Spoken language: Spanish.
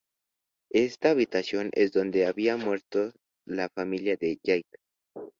Esta habitación es donde había muerto la familia de Jake.